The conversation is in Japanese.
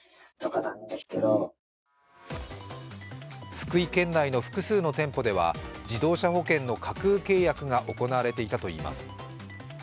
福井県内の複数の店舗では自動車保険の架空契約が行われていたといいます。